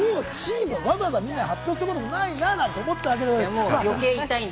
わざわざみんなに発表することもないなぁなんて思ったり。